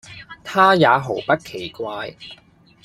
他也毫不奇怪，